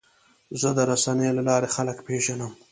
زه د رسنیو له لارې خلک پېژنم.